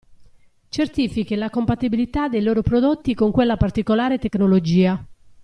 Certifichi la compatibilità dei loro prodotti con quella particolare tecnologia.